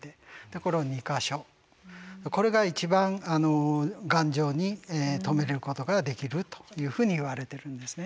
これが一番頑丈に留めることができるというふうにいわれてるんですね。